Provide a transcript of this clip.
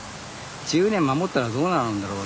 １０年守ったらどうなるんだろうって。